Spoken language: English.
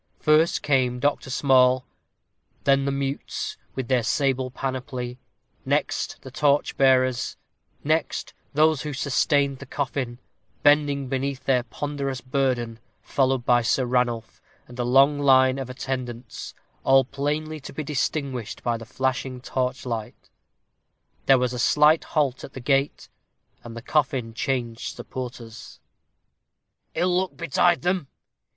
First came Dr. Small; then the mutes, with their sable panoply; next, the torch bearers; next, those who sustained the coffin, bending beneath their ponderous burden, followed by Sir Ranulph and a long line of attendants, all plainly to be distinguished by the flashing torchlight. There was a slight halt at the gate, and the coffin changed supporters. "Ill luck betide them!"